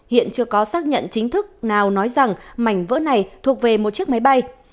hiện chưa có xác nhận chính thức nào nói rằng mảnh vỡ này thuộc về một chiếc máy bay